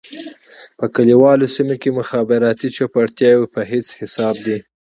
په کليوالي سېمو کې مخابراتي چوپړتياوې په هيڅ حساب دي.